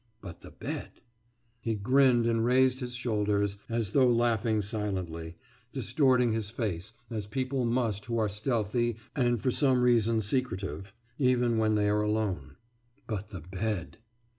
But the bed! He grinned and raised his shoulders, as though laughing silently, distorting his face as people must who are stealthy and for some reason secretive, even when they are alone. But the bed!